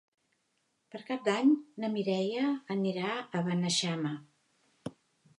Per Cap d'Any na Mireia anirà a Beneixama.